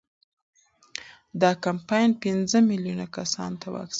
دا کمپاین پنځه میلیون کسانو ته واکسین ورکوي.